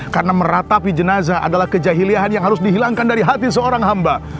karena meratapi jenazah adalah kejahiliahan yang harus dihilangkan dari hati seorang hamba